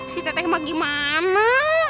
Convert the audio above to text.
si teteh mah gimana